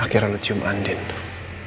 aku akan bongkar semua kebohongan kamu ade baradil